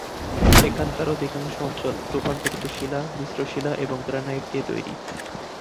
এখানকার অধিকাংশ অঞ্চল রূপান্তরিত শিলা, মিশ্র শিলা এবং গ্রানাইট দিয়ে তৈরী।